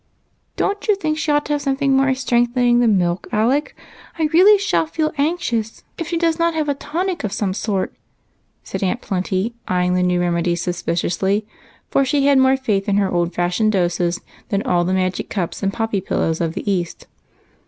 "Don't you think she ought to have something more strengthening than milk. Alec ? I really shall feel anxious if she does not have a tonic of some sort," said Aunt Plenty, eying the new remedies suspiciously, for she had more faith in her old fashioned doses than all the magic cups and poppy pillows of the East.